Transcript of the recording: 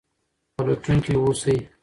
پلټونکي اوسئ.